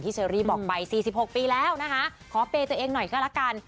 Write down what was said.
เชอรี่บอกไป๔๖ปีแล้วนะคะขอเปย์ตัวเองหน่อยก็ละกัน